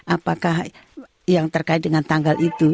apakah yang terkait dengan tanggal itu